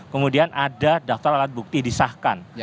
kemudian ada daftar alat bukti disahkan